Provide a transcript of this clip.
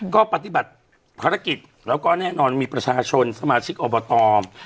ก็ปฏิบัติภารกิจแล้วก็แน่นอนมีประชาชนสมาชิกอบต